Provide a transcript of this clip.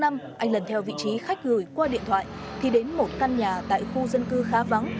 anh lần theo vị trí khách gửi qua điện thoại thì đến một căn nhà tại khu dân cư khá vắng